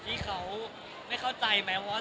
ที่เขาไม่เข้าใจไหมว่า